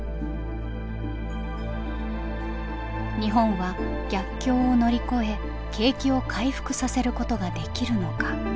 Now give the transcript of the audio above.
日本は逆境を乗り越え景気を回復させることができるのか。